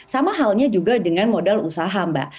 sama halnya juga dengan modal usaha mbak